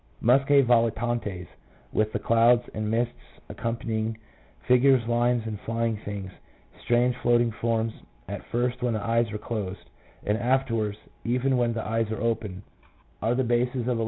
Musccb volitantes with the clouds and mists accompanying, figures, lines, and flying things, strange floating forms, at first when the eyes are closed, and afterwards even when the eyes are open, are the bases 1 J.